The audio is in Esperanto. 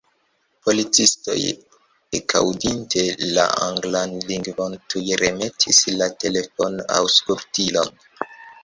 Policistoj, ekaŭdinte la anglan lingvon, tuj remetis la telefonaŭskultilon.